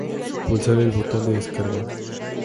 Pulsar el botón de descarga.